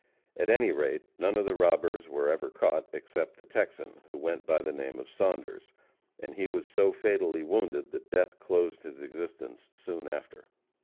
At any rate, none of the robbers were ever caught, except the Texan, who went by the name of Saunders, and he was so fatally wounded that death closed his existence soon after.